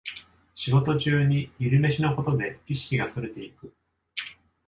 仕事中に昼飯のことで意識がそれていく